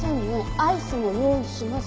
「アイスも用意します」